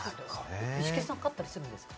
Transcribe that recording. イシケンさん、買ったりするんですか？